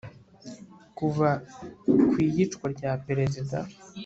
kuva ku iyicwa rya perezida